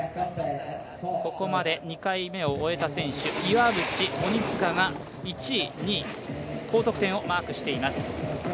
ここまで２回目を終えた選手岩渕、鬼塚が１位、２位高得点をマークしています。